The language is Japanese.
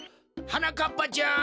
はなかっぱちゃん